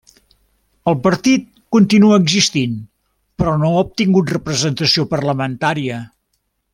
El partit continua existint però no ha obtingut representació parlamentària.